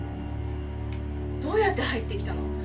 どうやって入ってきたの？